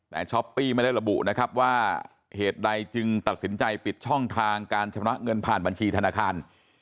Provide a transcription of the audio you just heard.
แต่ช้อปปี้ไม่ได้ระบุนะครับว่าเหตุใดจึงตัดสินใจปิดช่องทางการชำระเงินผ่านบัญชีธนาคาร